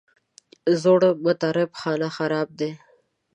زوړ مطرب خانه خراب دی.